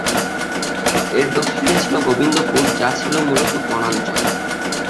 এর দক্ষিণে ছিলো গোবিন্দপুর, যা ছিলো মূলত বনাঞ্চল।